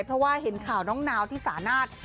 เพราะว่าเห็นข่าวน้องนาวที่สานาท